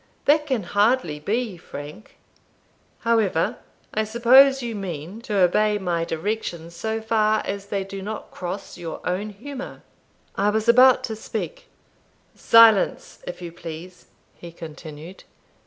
That can hardly be, Frank; however, I suppose you mean to obey my directions, so far as they do not cross your own humour?" I was about to speak "Silence, if you please," he continued.